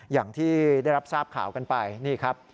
อย่างที่ได้รับทราบข่าวกันไปนี่ครับ